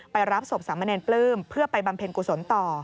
รับศพสามเณรปลื้มเพื่อไปบำเพ็ญกุศลต่อ